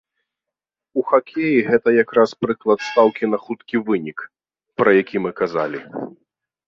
У хакеі гэта як раз прыклад стаўкі на хуткі вынік, пра які мы казалі.